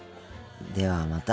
ではまた。